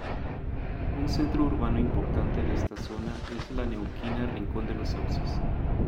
Un centro urbano importante de esta zona es la neuquina Rincón de los Sauces.